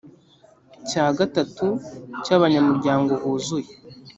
cya gatatu cy abanyamuryango buzuye